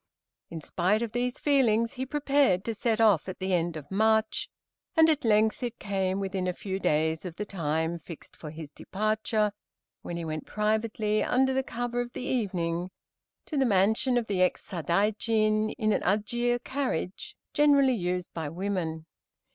In spite of these feelings he prepared to set off at the end of March, and at length it came within a few days of the time fixed for his departure, when he went privately, under the cover of the evening, to the mansion of the ex Sadaijin, in an ajiro carriage, generally used by women.